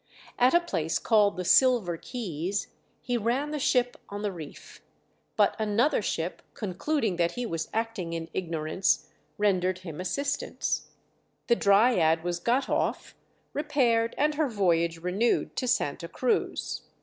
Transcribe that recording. At a place called the Silver Keys he ran the ship on the reef. But another ship, concluding that he was acting in ignorance, rendered him assistance. The 'Dryad' was got off, repaired, and her voyage renewed to Santa Cruz.